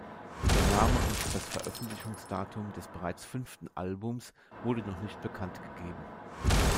Der Name und das Veröffentlichungsdatum des bereits fünften Albums wurde noch nicht bekannt gegeben.